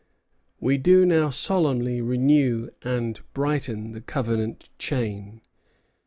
"We do now solemnly renew and brighten the covenant chain.